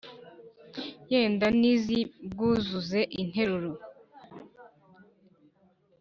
yenda n’iz’i bwuzuze interuro*